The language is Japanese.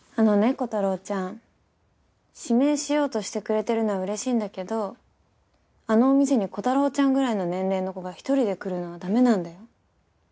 コタローちゃん指名しようとしてくれてるのは嬉しいんだけどあのお店にコタローちゃんぐらいの年齢の子が１人で来るのは駄目なんだよ。